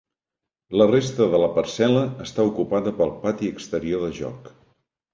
La resta de la parcel·la està ocupada pel pati exterior de joc.